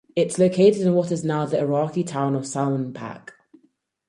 It is located in what is now the Iraqi town of Salman Pak.